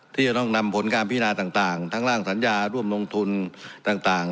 ที่จะต้องนำผลการพินาต่างทั้งร่างสัญญาร่วมลงทุนต่าง